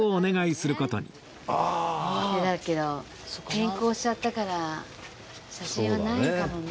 転校しちゃったから写真はないかもね。